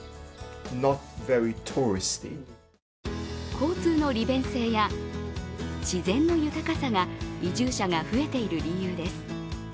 交通の利便性や、自然の豊かさが移住者が増えている理由です。